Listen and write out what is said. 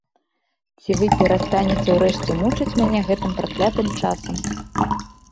Ці вы перастанеце ўрэшце мучыць мяне гэтым праклятым часам?